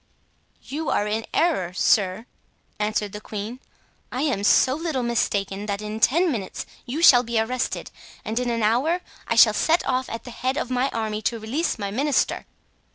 "You are in error, sir," answered the queen. "I am so little mistaken that in ten minutes you shall be arrested, and in an hour I shall set off at the head of my army to release my minister."